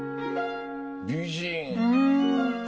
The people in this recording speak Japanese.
美人。